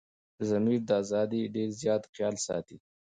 دضمير دازادي ډير زيات خيال ساتي